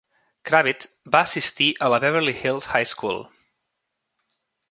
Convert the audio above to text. Kravitz va assistir a la Beverly Hills High School.